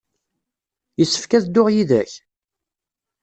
Yessefk ad dduɣ yid-k?